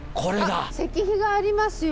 あっ石碑がありますよ。